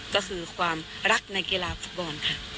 ก็คือความรักในกีฬาฟุตบอลค่ะ